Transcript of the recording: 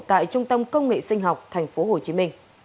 tại trung tâm công nghệ sinh học tp hcm